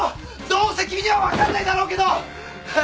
どうせ君には分かんないだろうけど！